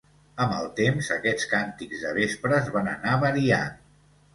Amb el temps, aquests càntics de vespres, van anar variant.